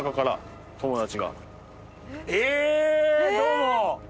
どうも。